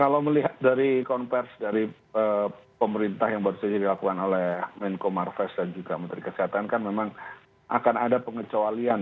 kalau melihat dari konversi dari pemerintah yang baru saja dilakukan oleh menko marves dan juga menteri kesehatan kan memang akan ada pengecualian